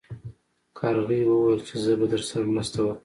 کارغې وویل چې زه به درسره مرسته وکړم.